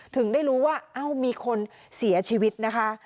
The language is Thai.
ถึงได้รู้ว่าเอ้ามีคนเสียชีวิตนะคะ